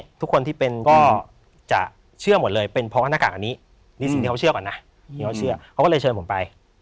ทุกคนที่เป็นก็จะเชื่อหมดเลยเป็นเพราะว่าหน้ากากอันนี้นี่สิ่งที่เขาเชื่อก่อนนะที่เขาเชื่อเขาก็เลยเชิญผมไป